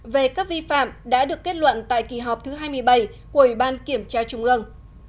về các vi phạm đã được kết luận tại kỳ họp thứ hai mươi bảy của ủy ban kiểm tra trung ương